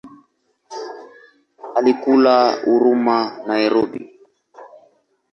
Alikulia Huruma Nairobi.